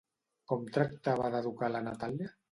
Com tractava d'educar la Natàlia?